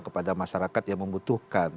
kepada masyarakat yang membutuhkan